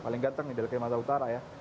paling ganteng nih dari kelima tahun utara ya